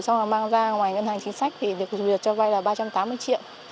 xong rồi mang ra ngoài ngân hàng chính sách thì được duyệt cho vay là ba trăm tám mươi triệu